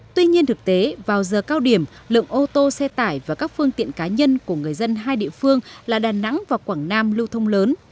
tuy nhiên thực tế vào giờ cao điểm lượng ô tô xe tải và các phương tiện cá nhân của người dân hai địa phương là đà nẵng và quảng nam lưu thông lớn